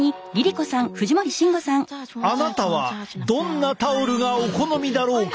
あなたはどんなタオルがお好みだろうか？